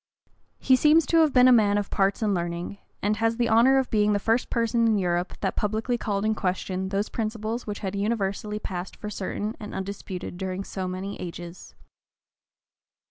He seems to have been a man of parts and learning; and has the honor of being the first person in Europe that publicly called in question those principles which had universally passed for certain and undisputed during so many ages.